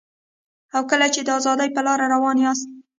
او کله چي د ازادۍ په لاره روان یاست